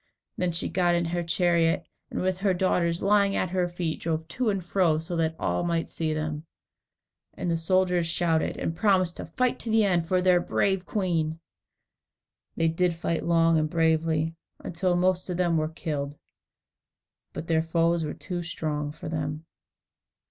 Then she got into her chariot, and with her daughters lying at her feet, drove to and fro, so that all might see them. And the soldiers shouted, and promised to fight to the end for their brave queen. They did fight long and bravely, until most of them were killed, but their foes were too strong for them.